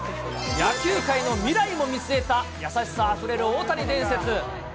野球界の未来も見据えた、優しさあふれる大谷伝説。